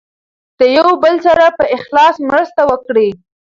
د یو بل سره په اخلاص مرسته وکړئ.